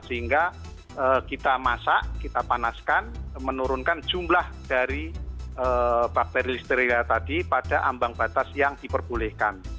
sehingga kita masak kita panaskan menurunkan jumlah dari bakteri listeria tadi pada ambang batas yang diperbolehkan